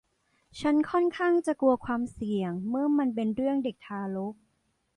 ฉันค่อนข้างจะกลัวความเสี่ยงเมื่อมันเป็นเรื่องเด็กทารก